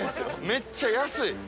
めっちゃ安い。